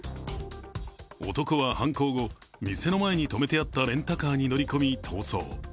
男は犯行後、店の前に止めてあったレンタカーに乗り込み逃走。